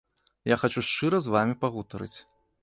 Я хачу шчыра з вамі пагутарыць.